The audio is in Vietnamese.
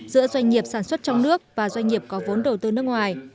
giữa doanh nghiệp sản xuất trong nước và doanh nghiệp có vốn đầu tư nước ngoài